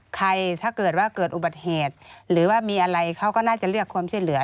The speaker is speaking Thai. ถ้าเกิดว่าเกิดอุบัติเหตุหรือว่ามีอะไรเขาก็น่าจะเรียกความช่วยเหลือ